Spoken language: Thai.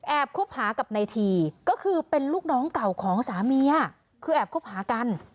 คบหากับในทีก็คือเป็นลูกน้องเก่าของสามีคือแอบคบหากัน